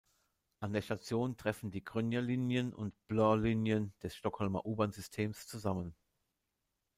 An der Station treffen die Gröna linjen und Blå linjen des Stockholmer U-Bahn-Systems zusammen.